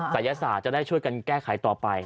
ศัยศาสตร์จะได้ช่วยกันแก้ไขต่อไป